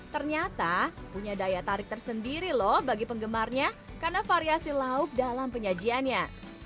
ternyata punya daya tarik tersendiri loh bagi penggemarnya karena variasi lauk dalam penyajiannya